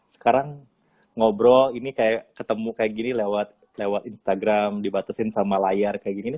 sekarang ngobrol ini kayak ketemu kayak gini lewat instagram dibatasin sama layar kayak gini nih